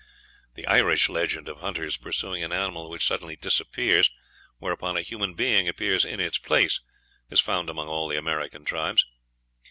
The Irish legend of hunters pursuing an animal which suddenly disappears, whereupon a human being appears in its place is found among all the American tribes.